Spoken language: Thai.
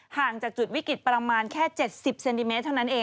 ห่างจากจุดวิกฤตประมาณแค่๗๐เซนติเมตรเท่านั้นเอง